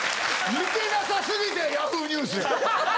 似てなさ過ぎてＹａｈｏｏ！ニュースや。